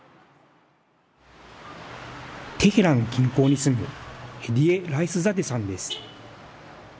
テヘラン近郊に住むヘディエ・ライスザデさんです。